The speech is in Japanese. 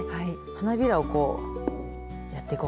花びらをこうやっていこうかな。